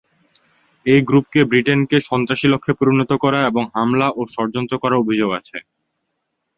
এই গ্রুপকে ব্রিটেনকে সন্ত্রাসী লক্ষে পরিনত করা এবং হামলা ও ষড়যন্ত্র করার অভিযোগ আছে।